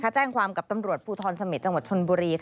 แจ้งความกับตำรวจภูทรเสม็จจังหวัดชนบุรี